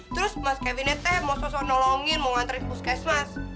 terus mas kevinnya teh mau sosok nolongin mau ngantri ke puskesmas